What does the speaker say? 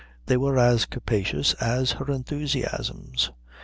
They were as capacious as her enthusiasms.